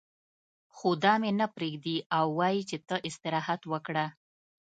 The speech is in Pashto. خو دا مې نه پرېږدي او وايي چې ته استراحت وکړه.